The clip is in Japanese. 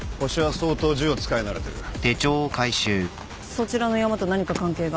そちらのヤマと何か関係が？